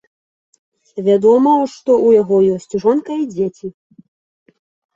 Вядома, што ў яго ёсць жонка і дзеці.